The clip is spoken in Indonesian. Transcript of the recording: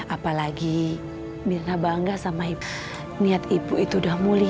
apalagi mirna bangga sama niat ibu itu udah mulia